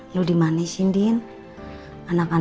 lu dimanesin din